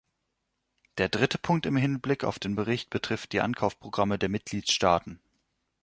Der dritte Punkt im Hinblick auf den Bericht betrifft die Ankaufprogramme der Mitgliedstaaten.